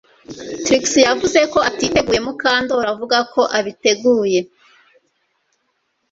Trix yavuze ko atiteguye ariko Mukandoli avuga ko abiteguye